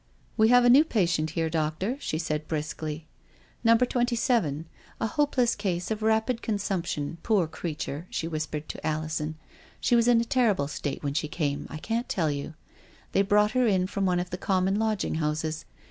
"We have a new patient there, doctor," she said briskly. "Number Twenty seven. A hopeless case of rapid consumption. Poor creature," she whispered to Alison, " she was in a terrible state when she came. I can't 1232) THE STORY OF A MODERN WOMAN. tell you. They brought her in from one of the common lodging houses.